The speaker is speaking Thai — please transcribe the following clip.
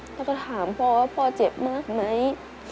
แล้วก็ถามพ่อว่าพ่อเจ็บมากไหม